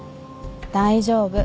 大丈夫。